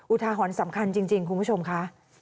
อุทาหรณ์สำคัญจริงคุณผู้ชมค่ะ